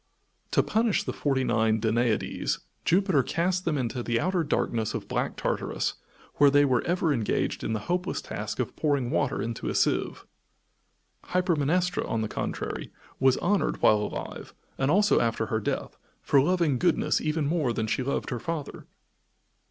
To punish the forty nine Danaides, Jupiter cast them into the outer darkness of Black Tartarus, where they were ever engaged in the hopeless task of pouring water into a sieve. Hypermnestra, on the contrary, was honored while alive, and also after her death, for loving goodness even more than she loved her father.